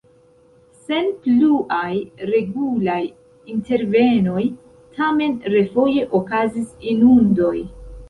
Sen pluaj regulaj intervenoj tamen refoje okazis inundoj.